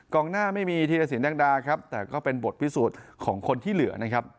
หน้าไม่มีธีรสินแดงดาครับแต่ก็เป็นบทพิสูจน์ของคนที่เหลือนะครับ